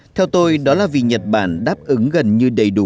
theo tôi đó là vì nhật bản đáp ứng gần như đầy đủ